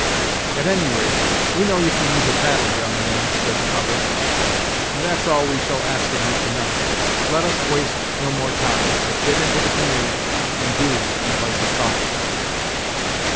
"At any rate, we know you can use a paddle, young man," said Hutter, "and that's all we shall ask of you to night. Let us waste no more time, but get into the canoe, and do, in place of talking."